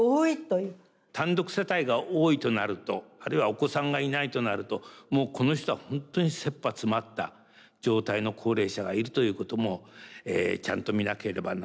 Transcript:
単独世帯が多いとなるとあるいはお子さんがいないとなるともうこの人は本当にせっぱ詰まった状態の高齢者がいるということもちゃんと見なければならない。